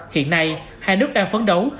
hiện nay hai nước đang phấn đấu